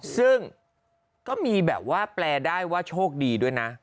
ซึ่งก็มีแบบว่าแปลได้ว่าโชคดีด้วยนะ